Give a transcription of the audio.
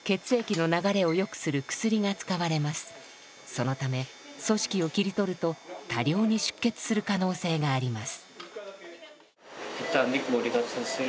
そのため組織を切り取ると多量に出血する可能性があります。